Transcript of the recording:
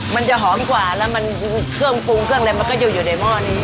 มันจะหอมกว่าแล้วมันเครื่องปรุงเครื่องอะไรมันก็จะอยู่ในหม้อนี้